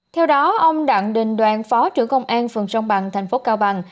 theo đó ông đặng đình đoàn phó trưởng công an phường trong bằng thành phố cao bằng